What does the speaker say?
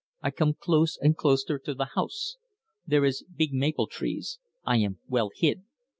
I come close and closter to the house. There is big maple trees I am well hid.